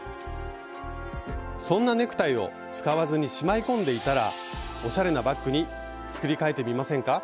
そんなネクタイを使わずにしまい込んでいたらおしゃれなバッグに作りかえてみませんか？